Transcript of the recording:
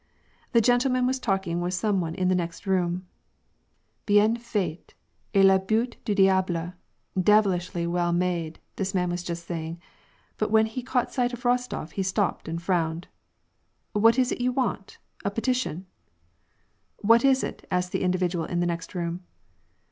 This gentleman was talk ing with some one in the next room :'^ Bienfaite, et la beaute du diable — devilishly well made,", this man was just saying, but when he caught sight of Eostof, he stopped and frowned. " What is it you want ? A petition ?"'^ What is it ?" asked the individual in the next room.